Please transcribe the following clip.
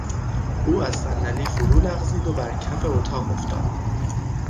او از صندلی فرو لغزید و بر کف اتاق افتاد.